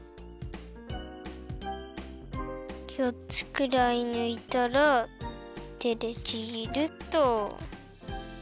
４つくらいぬいたらてでちぎると。